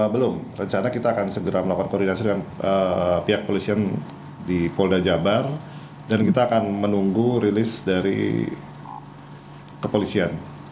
belum rencana kita akan segera melakukan koordinasi dengan pihak polisian di polda jabar dan kita akan menunggu rilis dari kepolisian